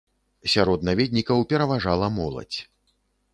Сярод наведнікаў пераважала моладзь.